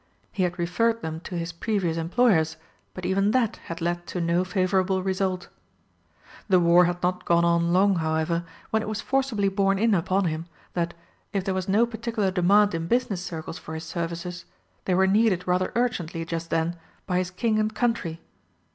He had referred them to his previous employers, but even that had led to no favourable result. The war had not gone on long, however, when it was forcibly borne in upon him that, if there was no particular demand in business circles for his services, they were needed rather urgently just then by his King and Country.